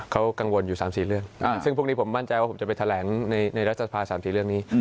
เขากังวลอยู่สามสี่เรื่องซึ่งพรุ่งนี้ผมมั่นใจว่าผมจะไปแถลงในรัฐศาสตร์สามสี่เรื่องนี้